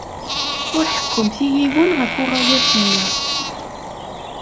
Ur ḥekkumt i yiwen ɣef uɣawas-nneɣ.